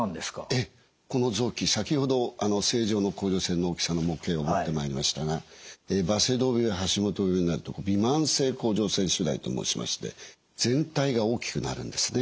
ええこの臓器先ほど正常の甲状腺の大きさの模型を持ってまいりましたがバセドウ病や橋本病になるとびまん性甲状腺腫大と申しまして全体が大きくなるんですね。